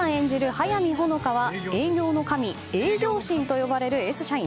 速見穂香は営業の神営業神と呼ばれるエース社員。